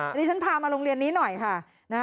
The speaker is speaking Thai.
อันนี้ฉันพามาโรงเรียนนี้หน่อยค่ะ